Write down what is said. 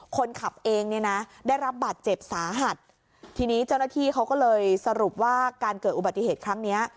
คนขับเองเนี่ยนะได้รับบาดเจ็บสาหัสทีนี้เจ้าหน้าที่เขาก็เลยสรุปว่าการเกิดอุบัติเหตุครั้งเนี้ย